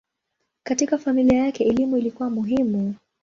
Katika familia yake elimu ilikuwa muhimu.